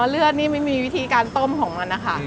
เลือดนี่ไม่มีวิธีการต้มของมันนะคะ